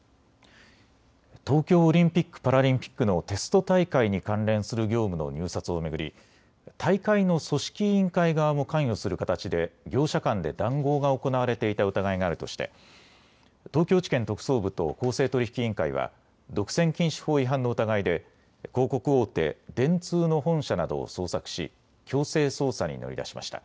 東京オリンピック・パラリンピックのテスト大会に関連する業務の入札を巡り大会の組織委員会側も関与する形で業者間で談合が行われていた疑いがあるとして東京地検特捜部と公正取引委員会は独占禁止法違反の疑いで広告大手、電通の本社などを捜索し強制捜査に乗り出しました。